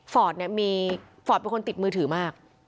เนี่ยมีฟอร์ดเป็นคนติดมือถือมาก